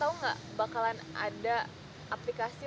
tahu nggak bakalan ada aplikasi